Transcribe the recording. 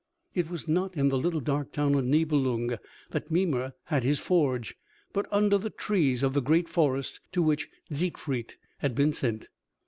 It was not in the little dark town of Nibelung that Mimer had his forge, but under the trees of the great forest to which Siegfried had been sent.